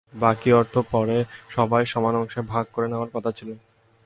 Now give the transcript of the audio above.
বাকি অর্থ পরে সবাই সমান অংশে ভাগ করে নেওয়ার কথা ছিল।